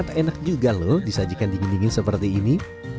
enak juga loh disajikan dingin dingin seperti ini